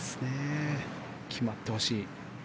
決まってほしい。